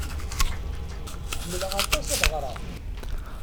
Ḥemmleɣ aṭas ad ɣreɣ.